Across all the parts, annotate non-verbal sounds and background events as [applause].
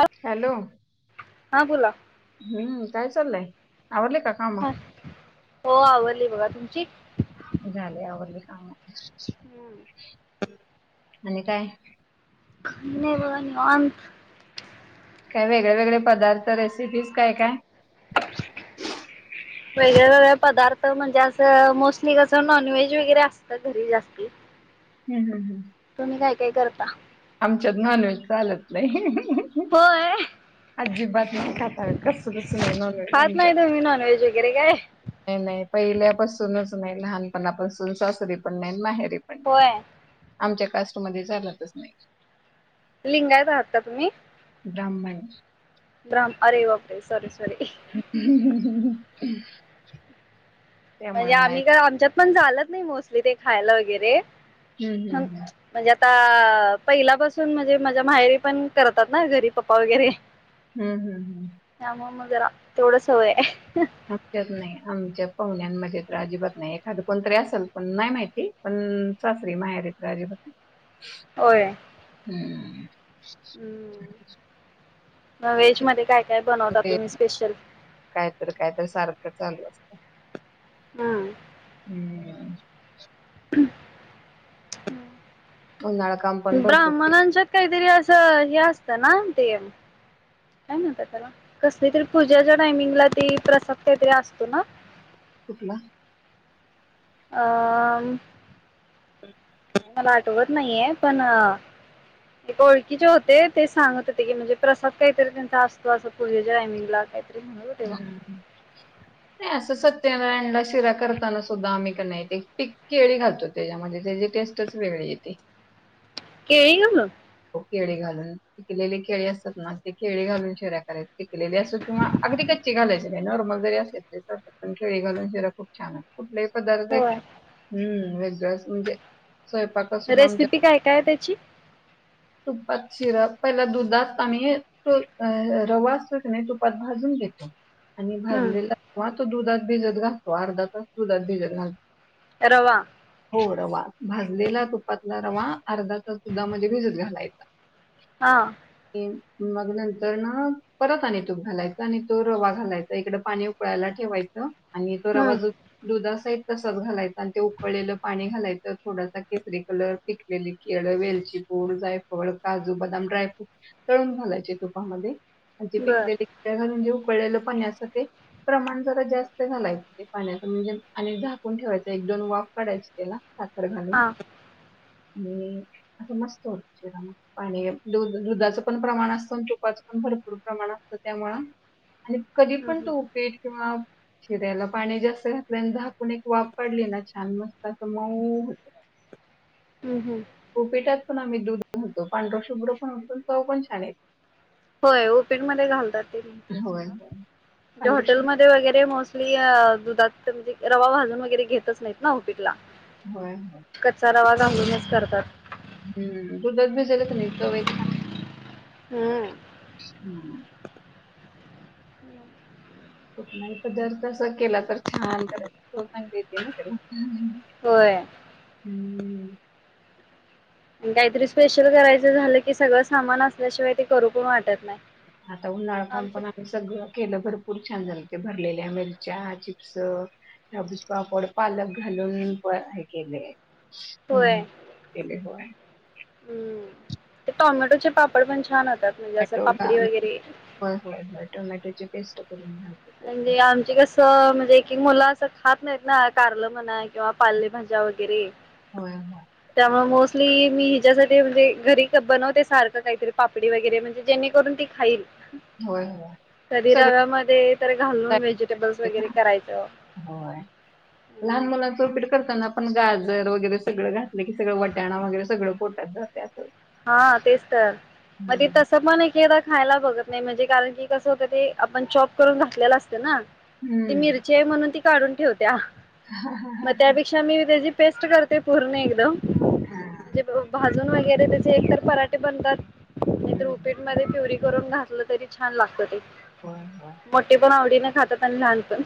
ह हॅलो हा बोला. हम्म काय चाललंय? अर्ले का का आम हा हो आवडली बघा तुमची झाले आवडली काम हम्म आणि काय ख नाही पघ नि अत काय वेगळे वेगळे पदार्थ रेसिपीज काय काय वेगळ्या वेगळ्या पदार्थ म्हणजे असं मोस्टली कस नॉन व्हेज वगैरे असतात घरी जास्ती हम् हम् हम् तुम्ही काय काय करता आमच्यात नॉन व्हेज चालत नाही होय अजी बात नाही खता कसू कस म न खात आमच्या नाही तुम्ही नॉनव्हेज वगैरे काय नाही नाही पहिल्यापासूनच नाही लहानपणापासून सासरी पण नाही माहिित होय आमच्या कास्टमध्ये झालतच नाही लिंगायत राहात का तुम्ही ब्रह्मण ग्राम अरे वापरे स [unintelligible] म्हणजे नाही आम्ही काय आमच्यात पण झालच नाही मोस्टली ते खायला वगैरे. हम्म हम्म हम्म. म्हणजे आता पहिलापासून म्हणजे माझ्या माहेरी पण करतात ना घरी पप्पा वगैरे. हम्म हम्म हम्म. त्यामुळे मग जरा तेवढ सवय आहे. आमच्यात नाही आमच्या पाहुण्या. माझ्या तर अजिबात नाही एखाद कोणतरी असेल पण नाही माहिती पण सासरी माहेरी तर अजिबात नाही. होय. हम्म हम्म [inaudible] व्हेज मध्ये काय काय बनवता ते तुम्ही स्पेशल. काय तर काय तर सारखं चालू असतं हम्म. [inaudible] उन्हाळा काम पण भरपूर केलं ब्राह्मणांच्यात काहीतरी अस. अस हे असतं ना ते. काय म्हणतात त्याला कसली तरी पूजाच्या टायमिंगला ती प्रसाद काहीतरी असतो ना. कुठला. अं उम. [inaudible] मला आठवत नाहीये पण. एक ओळखीचे होते ते सांगत होते की म्हणजे प्रसाद काहीतरी त्यांचा असतो असं पूजेच्या टायमिंगला काही नाही असं सत. [unintelligible] शिरा करताना सुद्धा आम्ही कणी एक पीक केळी घालतो त्याच्यामध्ये त्याची टेस्टच वेगळी. येती. केळी घालून. केळी घालून पिकलेले केळी असतात ना ते केळी घालून शिरा करायचं पिकलेले असो किंवा अगदी कच्च. कच्ची घालायच नाही नॉर्मल जरी असेल तरी चालतात पण केळी घालून शिरा खूप छान होतो कुठल्याही. पदार्थ आहे होय हम्म वेगळच म्हणजे स्वयंपाकात सुद्धा आमच्या. रेसिपी काय काय त्याची तुपात शिरा पहिला दुधात आम्ही तो अं रवा असतोय की नाही तुपात भाजून. आणि हम्म भाजलेला तो रवा दुधात भिजत घालतो अर्धा तास दुधात भिजत घालतो. रवा. हो रवा भाजलेला तुपातला रवा अर्धा तास दुधामध्ये भिजत घालायचा. हा. की मग नंतर ना परत आणि तूप घालायचं आणि तो रवा घालायचा इकड पाणी उकळायला ठेवा. ठेवायचं आणि तो रवा हम्म दुधासहित. तसंच घालायचं आणि ते उकळलेलं पाणी घालायचं थोडासा केसरी कलर पिकलेली केळ, वेलची. थोड जाय. फळ काजू, बदाम ड्रायफ्रूट तळून घालायचे तुपामध्ये आणि ते बर पिकलेले केळ घालून घेऊन. उकळलेलं पाण्याच ते प्रमाण जरा जास्त घालायचं ते पाण्याच म्हणजे आणि झाकून ठेवायच एक. दोन वाफ काढायची त्याला साखर घालून हा आणि असं मस्त होत. पाणी दू दुधाचं पण प्रमाण असतं अन् तुपाचं पण भरपूर प्रमाण असतं त्यामुळं. आणि कधी हम्म पण तू हम्म उपीट किंवा शिऱ्याला. पाणी जास्त घातल अन् झाकून एक वाफ काढली ना छान मस्त अस मऊ होत. हम्म हम्म. उपीटात पण आम्ही दूध घालतो पांढर शुभ्र पण होत आणि चव पण छान येते. होय उपीटमध्ये घालतात ते माहितीये होय सोडा होय. पांढरं शुभ्र हॉटेलमध्ये वगैरे मोस्टली. दुधात म्हणजे रवा भाजून वगैरे घेतच नाहीत ना उपीटला. होय होय. कच्चा रवा घालूनच करतात. हम्म दुधात भिजवलं कणी चव एक छान. हम्म. हम्म. कुठला नाही पदार्थ [unintelligible] अस केला तर छान होत देेत ना त्याला होय आणि हम् काहीतरी स्पेशल करायचं झालं की सगळं सामान असल्याशिवाय ते करू पण वाटत नाही. आता उन्हाळा काम आमचे पण आम्ही सगळं केलं भरपूर खूप छान झाले होते भरलेल्या मिरच्या, चिप्स डबूज पापड, पालक घालून पण हे केले होय हम्म केले होय. हम्म ते टॉमॅटोचे पापड पण छान अस मॅटोयय [unintelligible] टोमॅटोचे पेस् करून म म्हणजे आमचे कसं म्हणजे ऐक ऐक मुलं असं खात नाहीत ना कारल म्हणा किंवा पालेभाज्या वगैरे होय होय त्यामुळे मोस्टली मी हिच्यासाठी म्हणजे घरी बनवते सारखं काहीतरी पापडी वगैरे म्हणजे ज्यांनी जेणेकरून ती खाईल. होय होय कधी सगळं रव्या मधे तेन घालून [inaudible] बस घालायचं वगैरे ना करायच होय हम् लहान मुलांच उपीट करताना आपण गाजर वगैरे सगळं घातलं कि सगळं वटाणा वगैरे सगळं पोटात जात हा तेच तर म ते हम्म तस पण एकेकदा खायला बघत नाही म्हणजे कारण की कसं होतं ते आपण चॉप करून घातलेलं असतं ना ती हम्म मिरची आहे म्हणून ती काढून ठेवत्या मग त्यापेक्षा मी त्याची पेस्ट करते पूर्ण एकदम हा म्हणजे भाजून वगैरे त्या एक पराठे बनतात नायतर हम्म. उपिट मध्ये प्युरी करून घातलं तरी छान लागत ते होय होय मोठे पण आवडीने खातात आणि लहान पण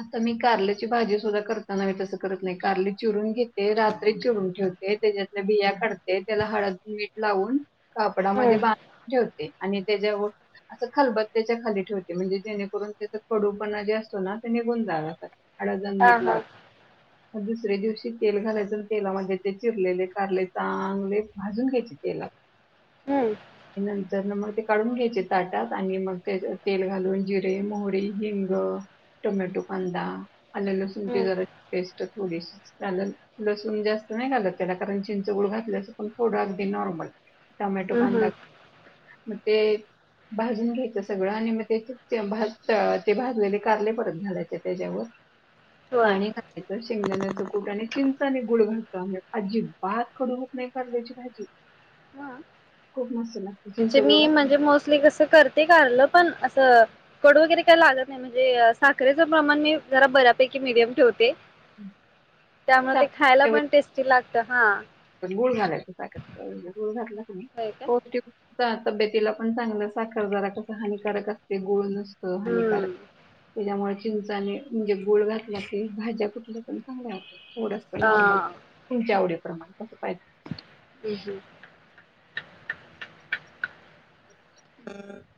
आता मी कारल्याची भाजी सुद्धा करताना म तसं करत नाही कारली चिरून घेते रात्री चिरून ठेवते. त्याच्यातल्या बिया काढते त्याला हळद मीठ लावून हम्म. कापडामध्ये बांधून ठेवते. आणि त्याच्यावर असं खलबत्या त्याच्या खाली ठेवते म्हणजे जेणेकरून त्याचा कडूपणा जे असतो ना निघून जाणार असं हळद आणि हा मीट हा लाव दुसरे दिवशी तेल घालायचं तेला म्हणजे ते चिरलेले कारले चांगले भाजून घ्यायचे तेलात हम्म. त्या नंतर न मग काढून घ्यायचे ताटात आणि मग त्याच्या तेल घालून जिरे, मोहरी, हिंग टोमॅटो कांदा आणि लसूणची हम्म. जराची पेस्ट थोडीशी त्या [unintelligible] लसूण जास्त नाही घालत त्याला कारण चिंचगूळ घातल्या अस पण थोडं अगदी नॉर्मल टमॅटो हम्म खांदा हम्म मग ते भाजून घ्यायच सगळं आणि मग तेज ते भाजलेले कारले परत घालायच त्याच्यावर होय पाणी खायचं शिंगदाणे कुठ्याने चिंचाने गुळ घालता म्हणजे अजिबात कडू होत नाही कारल्याची भाजी खूप मस्त लागते चिंच म्हणजे गुळ मी घातली म्हणजे मोस्टली कसं करते कारलं पण असं कडू वगैरे काय लागत नाही म्हणजे साखरेचं प्रमाण मी जरा बऱ्यापैकी मीडियम ठेवते त्यामुळे ते खायला साखर पण टेस्टी लागत हा गुळ घालायचंग म्हणजे गुळ घातला होय का पिव तब्येतीला पण चांगलं साखर जारा कसा हानिकारक असते गुल हानिकारक हम्म त्याज्यामुळे चिंचाने म्हणजे गुळ घातला की भाज्या कुठल्या पण चांगल्या हुत्यात थोडस अ नॉर्मल हम्म तुमच्या आवडी प्रमाण पायजे हम्म ह [unintelligible]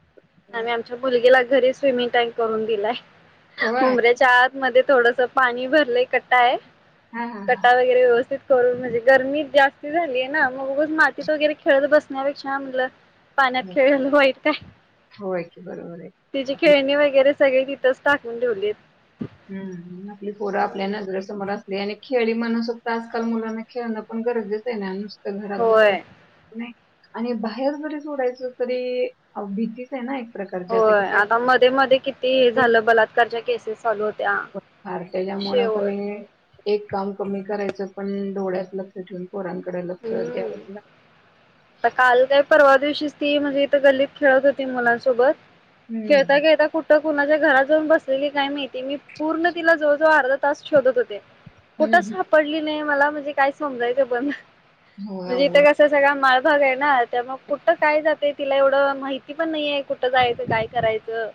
आम्ही आमच्या मुलगीला घरी स्विमिंग टँक करून दिलाय होय हुभऱ्याच्या आतमध्ये थोडस पाणी भरलंय कटा आहे हा हा हा कटा वगैरे व्यवस्थित करून म्हणजे गरमी जास्त झालीय ना मग उगच मातीत वगैरे खेळत बसण्यापेक्षा म्हटलं पाण्यात खेळून वाईट [unintelligible] काय होय की बरोबर आहे आपले सगळे तिथंच टाकून ठेवलीत हम्म आपली पोरं आपल्या नजर समोर असलेली आणि खेळी म्हणस होत आजकाल मुलांना खेळणं पण गरजेच आहे ना घरात बसून होय नाही आणि बाहेर जरी सोडायच तरी भीतीच आहे ना एक प्रकारची की होय त्या आता मध्ये मध्ये किती हे झालं बलात्काराचे केसेस चालू होत्या फार त्याच्या मुळं पण शेवट एक काम कमी करायचं पण डोळ्यात लक्ष ठेऊून पोरांनकडे लक्ष हम्म द्यावचं लागतं आता काल काय परवा दिवशीच ती म्हणजे इथं गल्लीत खेळत होती मुलांनसोबत हम्म खेळता खेळता कुठ कुणाच्या घरात जाऊन बसलेली काय माहिती मी पूर्ण तिला जवळ जवळ अर्धा तास तास शोधत होते कुठं हम्म सापडली नाही मला म्हणजे काय समजायचं बंद होय म्हणजे इथं आवड कसं सगळं माळ भाग हाय ना त्यामूळ मग कुठं काय जातय तिला एवढं माहिती पण नाहीये कुठं जायचं काय करायचं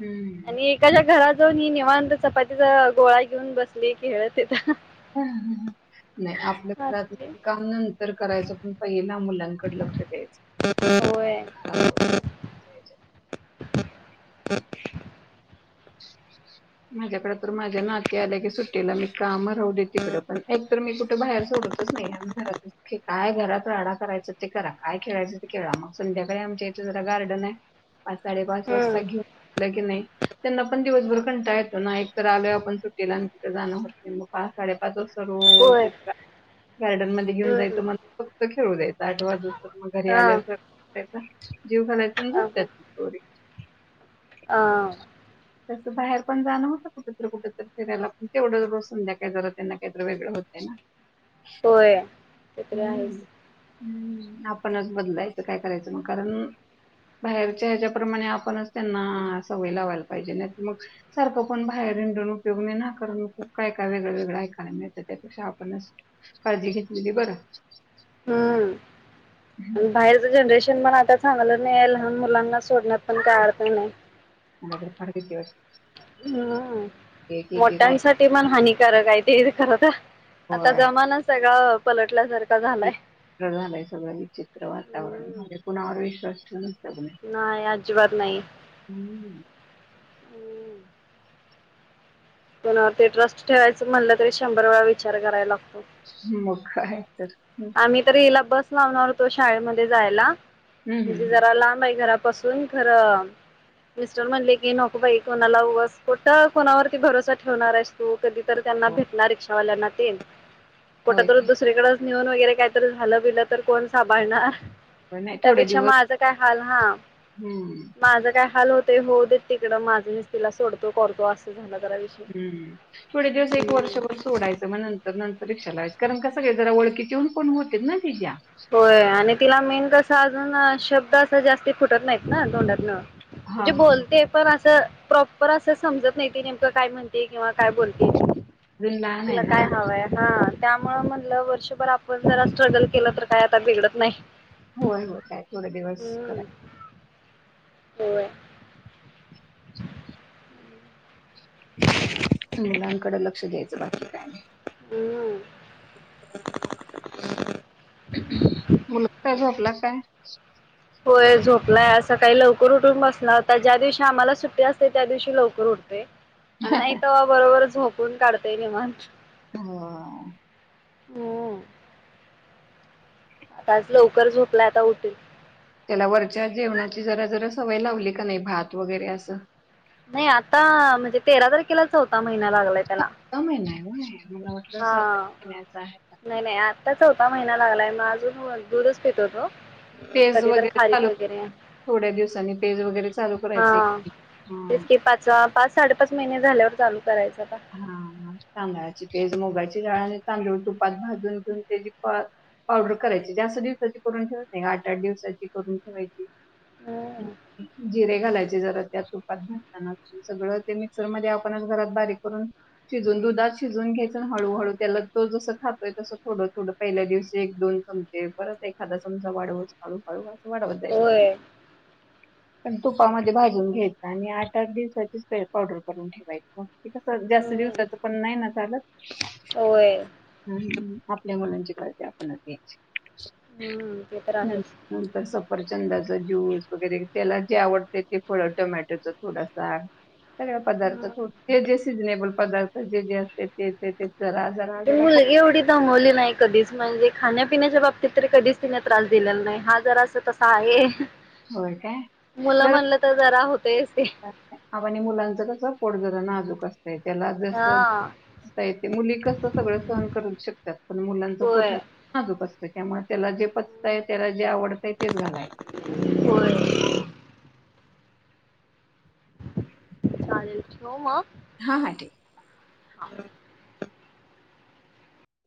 हम्म आणि एकाच्या घरात जाऊन ही निवांत चपातीचा गोळा घेऊन बसले खेळत तिथ नाही आपल्या घरात असली काम नंतर करायचं पण पहिला मुला मुलांनकड लक्ष होय द्यायचं [inaudible] [inaudible] माझ्याकडे तर माझ्या नाती आल्या की सुट्टीला मी कामच राहूदे तिकडं पण एक तर मी कुठे बाहेर सोडतच नाही काय घरात राडा करायच ते करा काय खेळायचं ते खेळा मग संध्याकाळी आमच्या इथे जरा गार्डन आहे पाच साडेपाच वाजता हम्म घेऊन की नाही त्यांना पण दिवसभर कंटाळा येतो ना एक तर आलोय आपण सुट्टीला आणि कुठं जाणं होत नाही मग पाच साडेपाच वाजता रोज होय इतका गार्डन मध्ये घेऊन हम्म जायचं मग फक्त खेळू द्यायं आठ वाजूस तर मग घरी हा आल्यानंतर जीव खानातून झ त्या थोडी [unintelligible] अ तसं बाहेर पण जाणं होतं कुठेतर कुठे तर फिरायला पण तेवढंच रोज संध्याकाळ जरा त्यांना काहीतर वेगळं होतय ना होय ते तरी आहेस. हम्म हम्म आपणच बदलायचं काय करायचं मग, कारण बाहेरच्या ह्याच्याप्रमाणे आपणच त्यांना सवय लावायला पाहिजे. नाहीतर मग सारंख पण बाहेर हिंडून उपयोग नाही ना कारण काय काय वेगळं वेगळं ऐकायला मिळतं त्यापेक्षा आपणच काळजी घेतलेली बरं. हम्म, हम्म बाहेरच जनरेशन पण आता चांगलं नाही लहान मुलांना सोडण्यात पण काय अर्थ नाही. मला तर फार भीती वाटते. ह ह एक एक एक मोठ्यांनसाठी पण हानिकारक आहे ते खरं तर. आता ऐकवाय जमाना सगळा पलटल्यासारखा झालाय. झालंय सगळं विचित्र वातावरण हम्म झालंय. कुणावर विश्वास ठेवून नाही अजिबात नाही. हम्म, कोणावरती ट्रस्ट ठेवायचं म्हणलं तरी शंभर वेळा विचार करायला लाग मग काय तर. आम्ही तर हिला बस लावणार होतो शाळेमध्ये जायला. हं, म्हणजे हं, हं. जरा लांब आहे घरपास पासून खरं मिस्टर म्हणले की नको बाई कोणाला उगच, कुठ कोणावरती भरोसा ठेवणार आहेस. तू कधीतर त्यांना हो. भेटणार रिक्षावाल्यांना तेन, कुठ होय तर की. दुसरीकडच नेऊन वगैरे काहीतरी झालं बिल तर कोण सांभाळणार. पण नाही थोडे त्यापेक्षा दिवस माझ काय हाल हा. हं, माझ काय हाल होत ते होऊदे तिकडं. माझं मीच तिला सोडतो करतो असं झालं. जरा विषय हम्म थोडे दिवस एक हम्म. वर्षभर सोडायचं मग नंतर नंतर कारण कसं का जरा वळखीच्या पण होत्यात ना तिज्या. होय आणि तिला मेन कस अजून शब्द असा जास्ती फुटत नाहीत ना दोंडातन. हां, म्हणजे हां. बोलते पण असं तर प्रॉपर असं समजत नाही ती नेमकं काय म्हणते किंवा काय बोलते ती ते. अजून लहान तिला आहे काय ना. हवंय हा. त्यामु म्हणलं वर्षभर आपण जरा स्ट्रगल केलं तर काय आता बिघडत नाही. होय, होय. काय थोडे दिवस हम्म कराय होय. मुलांकडे लक्ष द्यायचं बाकी काय नाही. हम्म. मुलगा काय झोपला का काय? होय झोपलाय सकाळी लवकर उठून बसला होता. ज्या दिवशी आम्हाला सुट्टी असते त्या दिवशी लवकर उठतोय. आणि नाही तवा बरोबर झोपून काढतोय निवांत. ह. हम्म. आता आज लवकर झोपलाय आता उठील. त्याला वरच्या जेवणाची जरा जरा सवय लावली का नाही भात वगैरे असं? नाही आता, म्हणजे तेरा तारखेला चौथा महिना लागलाय. त्याला चौथा महिना आहे व्हय, मला वाटलं सात हा. आठ महिन्याच आहे की काय. नाही नाही आत्ता चौथा महिना लागलाय म अजून दूधच पितो तो. पेज कधी तर वगैरे खारीक चालू, वगैरे थोड्या दिवसाांनी पेज वगैरे चालू करायची. हा तेच की पाच पाच साडेपाच महिने झाल्यावर चालू करायचं आता. हा हा तांदळाची पेज, मुगाची तिळ आणि तांदूळ तुपात भाजून घेऊन त्याची पाव पावडर करायची. जास्त दिवसाची करून ठेवायत नाही आठ आठ दिवसाची करून ठेवायची. हम्म [unintelligible] जिरे घालायचे जरा त्या तुपात भाजताना. सगळं ते मिक्सर मध्ये आपणच घरात बारीक करून शिजून दुधात शिजून घ्यायचं हळूहळू त्याला तो जसं खातोय तसं थोडं थोडं पहिल्या दिवस एक दोन परत एखादा चमचा वाढवळूळू अस वाढवत जाय शकत होय पण तुपामध्ये भाजून घ्यायच आणि आठ आठ दिवसाची पावडर करून ठेवायच जास्त हम्म दिवसायचं पण नाही ना चालत होय हम्म. आपल्या मुनांची काळजी आपणच घ्यायची हम्म ते तर आहेच प्रचंदाचा ज्यूस वगैरे त्याला जे आवडते ते फळ टोमॅटोच थोडासाग सगळ पदार्थ हम्म. जे सिझनेबल पदार्थ जे जे असते ते जरा जरा ण जरा पोट मुलगी एवढी दंगवली नाही कधीच म्हणजे खाण्यापिण्याच्या बाबतीत तरी कधीच तिने त्रास दिलेला नाही हा जरा असं तसा आहे होय काय मुलं जरा म्हणलं तर जरा होत आणि मुलांच कस पोडझरण नाजूक असतय त्याला हा जस ेते मुली कस सगळं सहन करू शकतात पण मुलांचा होय कोठा माजूप असत त्यामुळे त्याला जे पचतय त्याला जे आवडतय तेच झालाय हो चालेल मग हा हां ठीक